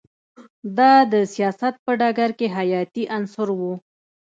دا د سیاست په ډګر کې حیاتی عنصر و